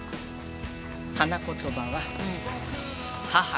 花言葉は母の愛。